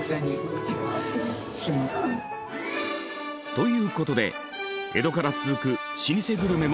という事で江戸から続く老舗グルメも続々！